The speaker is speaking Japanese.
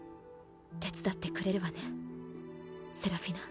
手伝ってくれるわねセラフィナ？